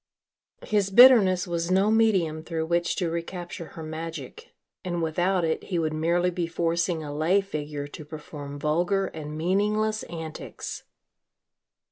His bitterness was no medium through which to recapture her magic and without it he would merely be forcing a lay figure to perform vulgar and meaningless antics.